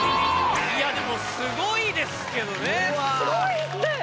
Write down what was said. いやでもすごいですけどね。